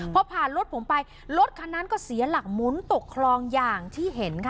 พอผ่านรถผมไปรถคันนั้นก็เสียหลักหมุนตกคลองอย่างที่เห็นค่ะ